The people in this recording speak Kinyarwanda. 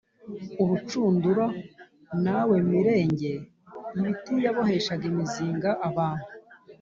urucundura; na we Mirenge, ibiti yaboheshaga imizinga, abantu